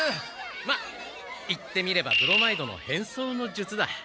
まあ言ってみればブロマイドの変装の術だ。